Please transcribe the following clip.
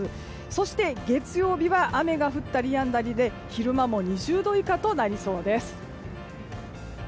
そして月曜日は雨が降ったりやんだりで昼間も２０度以下となりそうです。